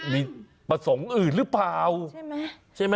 มีประสงค์อื่นหรือเปล่าใช่ไหม